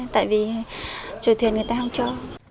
tại vì trời thuyền người ta không cho